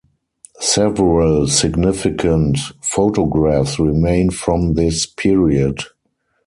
Several significant photographs remain from this period.